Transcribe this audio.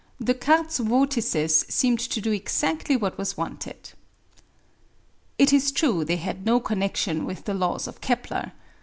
Descartes's vortices seemed to do exactly what was wanted. It is true they had no connexion with the laws of Kepler.